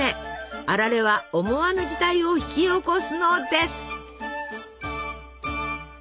あられは思わぬ事態を引き起こすのです。